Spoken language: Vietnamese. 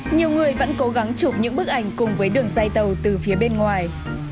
nhiều người vẫn cố gắng chụp những bức ảnh cùng với đường dây tàu từ phía bên ngoài